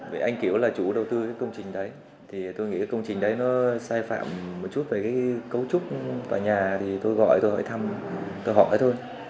với anh kiểu là chủ đầu tư cái công trình đấy thì tôi nghĩ công trình đấy nó sai phạm một chút về cái cấu trúc tòa nhà thì tôi gọi tôi hỏi thăm tôi hỏi thôi